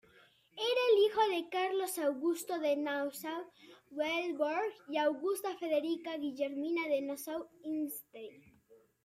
Era el hijo de Carlos Augusto de Nassau-Weilburg y Augusta Federica Guillermina de Nassau-Idstein.